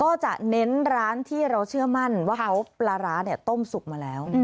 ก็จะเน้นร้านที่เราเชื่อมั่นว่าเขาปลาร้าต้มสุกมาแล้ว